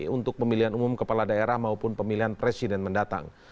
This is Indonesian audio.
untuk pemilihan umum kepala daerah maupun pemilihan presiden mendatang